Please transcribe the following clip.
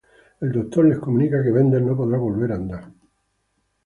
El doctor les comunica que Bender no podrá volver a a andar.